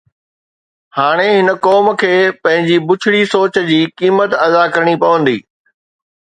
ھاڻي ھن قوم کي پنھنجي ٻچڙي سوچ جي قيمت ادا ڪرڻي پوندي.